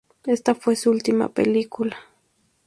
Esta fue su última película.